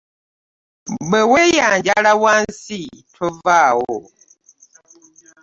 Bwe weeyanjala wansi tovaawo.